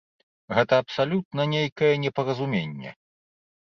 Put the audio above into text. Гэта абсалютна нейкае непаразуменне.